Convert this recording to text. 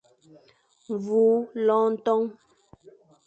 Mvul, loñ ton.